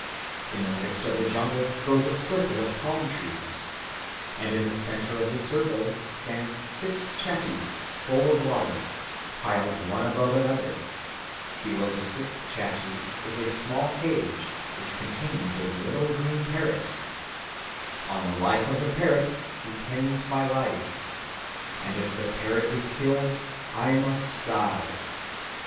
In the midst of the jungle grows a circle of palm trees, and in the centre of the circle stand six chattees full of water, piled one above another: below the sixth chattee is a small cage, which contains a little green parrot; on the life of the parrot depends my life; and if the parrot is killed I must die.